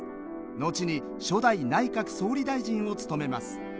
後に初代内閣総理大臣を務めます。